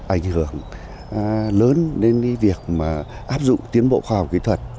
ảnh hưởng lớn đến việc áp dụng tiến bộ khoa học kỹ thuật